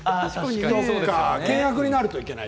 険悪になるといけない。